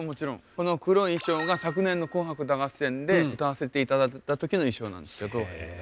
この黒い衣装が昨年の「紅白歌合戦」で歌わせていただいた時の衣装なんですけど。